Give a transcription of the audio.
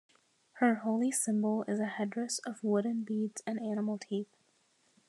Her holy symbol is a headdress of wooden beads and animal teeth.